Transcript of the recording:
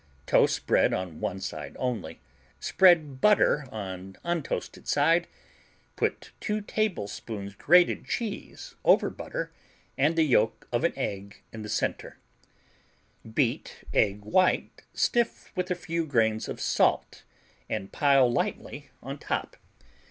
Toast bread on one side only, spread butter on untoasted side, put 2 tablespoons grated cheese over butter, and the yolk of an egg in the center. Beat egg white stiff with a few grains of salt and pile lightly on top.